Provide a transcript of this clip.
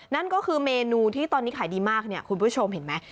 นั่นก็คือเมนูที่ตอนนี้ขายดีมากเนี่ยคุณผู้ชมเห็นไหม